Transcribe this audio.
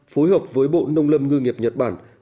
phối hợp với bộ nông lâm ngư nghiệp nhật bản